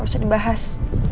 gak usah dibahas